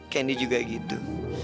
candy juga gitu